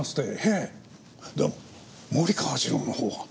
森川次郎のほうは？